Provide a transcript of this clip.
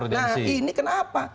nah ini kenapa